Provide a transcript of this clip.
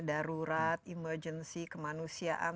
darurat emergency kemanusiaan